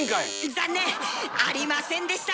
残念！ありませんでした！